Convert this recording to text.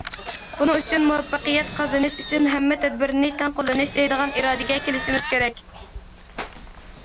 بۇنىڭ ئۈچۈن« مۇۋەپپەقىيەت قازىنىش ئۈچۈن ھەممە تەدبىرنى تەڭ قوللىنىش» دەيدىغان ئىرادىگە كېلىشىمىز كېرەك.